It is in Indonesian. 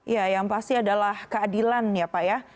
ya yang pasti adalah keadilan ya pak ya